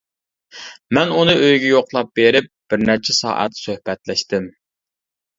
مەن ئۇنى ئۆيىگە يوقلاپ بېرىپ بىر نەچچە سائەت سۆھبەتلەشتىم.